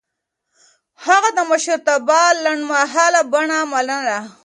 هغه د مشرتابه لنډمهاله بڼه منله.